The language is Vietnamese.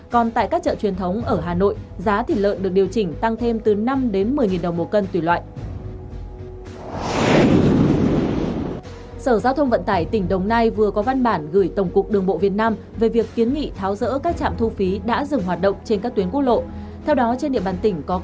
còn tại các chợ truyền thống ở hà nội giá thịt lợn được điều chỉnh tăng thêm từ năm đến một mươi đồng một cân tùy loại